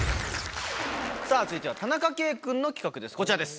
さぁ続いては田中圭くんの企画です